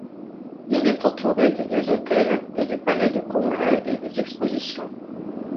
Il est entouré de deux hôtels, et du Palais de Congrès et des Expositions.